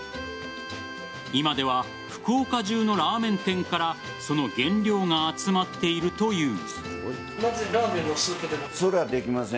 今では福岡中のラーメン店からその原料が集まっているという。